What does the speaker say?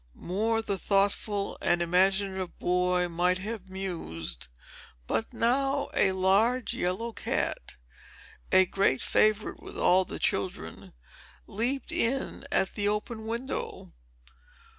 More the thoughtful and imaginative boy might have mused; but now a large yellow cat, a great favorite with all the children, leaped in at the open window.